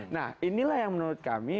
nah inilah yang menurut kami